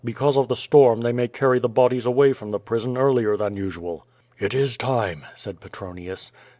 "Because of the storm they may carry the bodies away from the prison earlier than usual." "It is time," said Petronius.